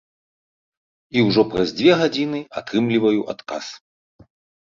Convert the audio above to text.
І ўжо праз дзве гадзіны атрымліваю адказ.